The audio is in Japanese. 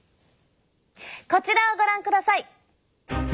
こちらをご覧ください！